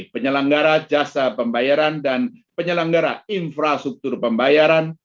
penyelenggara jasa pembayaran dan penyelenggara infrastruktur pembayaran